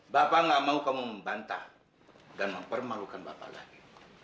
bapak gak mau kamu membantah dan mempermalukan bapak lagi